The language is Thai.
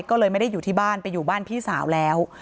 ก็เลยไม่ได้อยู่ที่บ้านไปอยู่บ้านพี่สาวแล้ว